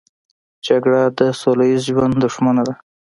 جګړه د سوله ییز ژوند دښمنه ده